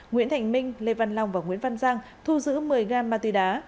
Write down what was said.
nguyễn thành minh lê văn long và nguyễn văn giang thu giữ một mươi gam ma túy đá